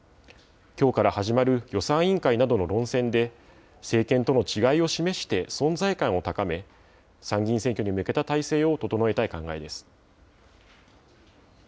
きょうから始まる予算委員会などの論戦で、政権との違いを示して存在感を高め、参議院選挙に向けた態勢を整えたい考えです。